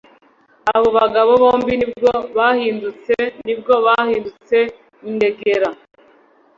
Abo bagabo bombi ni bwo bahindutse nibwo bahindutse ingegera